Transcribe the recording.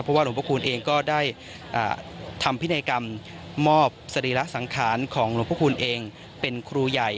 เพราะว่าหลวงพระคุณเองก็ได้ทำพินัยกรรมมอบสรีระสังขารของหลวงพระคุณเองเป็นครูใหญ่